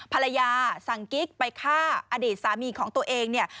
พรรยาสั่งกิ๊กไปฆ่าความอยู่ต่อเองน่ะ